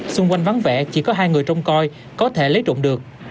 xung quanh vắng vẻ chỉ có hai người trông coi có thể lấy trụng được